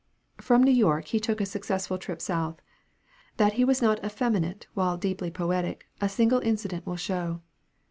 From New York he took a successful trip South. That he was not effeminate while deeply poetic, a single incident will show.